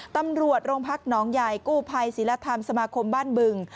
ตำรวจโรงพักหนองใหญ่กู้ภัยศิลธรรมสมาคมบ้านบึง